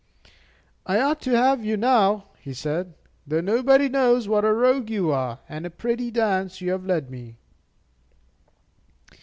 "I ought to have you now," he said, "though nobody knows what a rogue you are; and a pretty dance you have led me!"